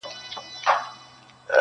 • چي ستا د لبو نشه راکړي میکدې لټوم..